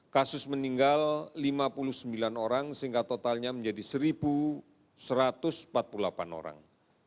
kasus meninggal lima puluh sembilan orang sehingga totalnya menjadi satu satu ratus empat puluh delapan orang